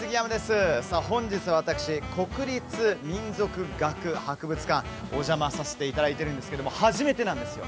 さあ本日私国立民族学博物館お邪魔させて頂いてるんですけども初めてなんですよ。